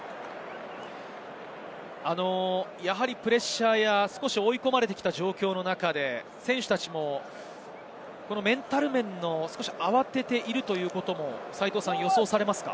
やはりプレッシャーや、追い込まれてきた状況の中で、選手たちもメンタル面の慌てているということも予想されますか？